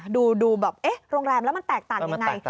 ดูแบบโรงแรมแล้วมันแตกต่างยังไง